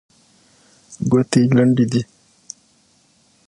ګوتې لنډې دي.